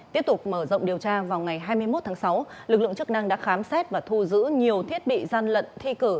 tiếp tục mở rộng điều tra vào ngày hai mươi một tháng sáu lực lượng chức năng đã khám xét và thu giữ nhiều thiết bị gian lận thi cử